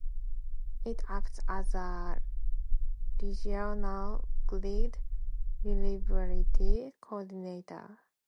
It acts as a regional grid reliability coordinator.